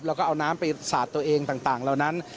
แล้วก็เอาน้ำไปสาดตัวเองต่างเหล่านั้น